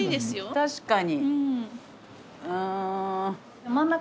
確かに。